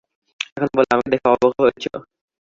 এখন বল, আমাকে দেখে অবাক হয়েছ?